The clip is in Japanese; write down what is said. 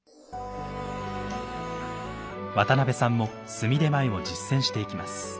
渡邊さんも炭点前を実践していきます。